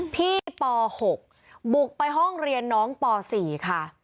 ป๖บุกไปห้องเรียนน้องป๔ค่ะ